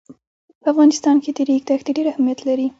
په افغانستان کې د ریګ دښتې ډېر اهمیت لري.